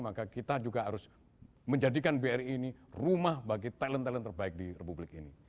maka kita juga harus menjadikan bri ini rumah bagi talent talent terbaik di republik ini